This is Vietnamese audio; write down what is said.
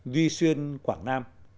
duy xuyên quảng nam